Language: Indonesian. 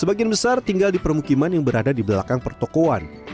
sebagian besar tinggal di permukiman yang berada di belakang pertokoan